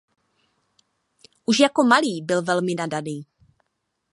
Už jako malý byl velmi nadaný.